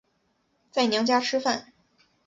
在娘家吃饭